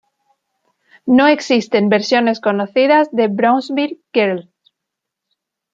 No existen versiones conocidas de "Brownsville Girl".